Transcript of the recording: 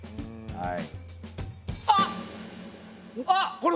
はい。